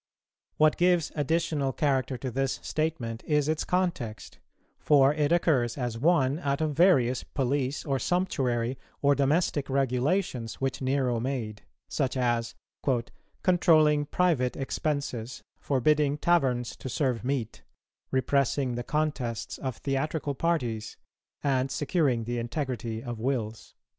What gives additional character to this statement is its context; for it occurs as one out of various police or sumptuary or domestic regulations, which Nero made; such as "controlling private expenses, forbidding taverns to serve meat, repressing the contests of theatrical parties, and securing the integrity of wills."